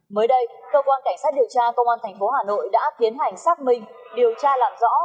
mới đây cơ quan cảnh sát điều tra công an tp hà nội đã tiến hành xác minh điều tra làm rõ